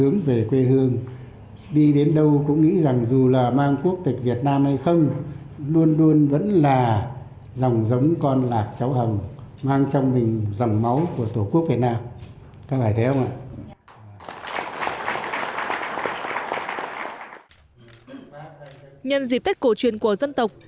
nhân dịp tết cổ truyền của dân tộc